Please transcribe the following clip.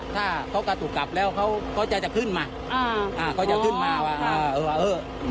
ขอบคุณครับ